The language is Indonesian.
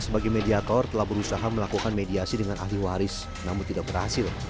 sebagai mediator telah berusaha melakukan mediasi dengan ahli waris namun tidak berhasil